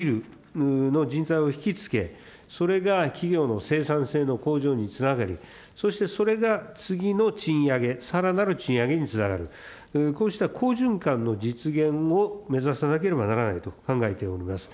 賃上げが高いスキルの人材を引きつけ、それが企業の生産性の向上につながり、そして、それが次の賃上げ、さらなる賃上げにつながる、こういうこうした好循環の実現を目指さなければならないと考えております。